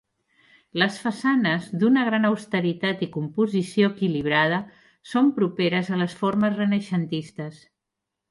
Les façanes, d'una gran austeritat i composició equilibrada, són properes a les formes renaixentistes.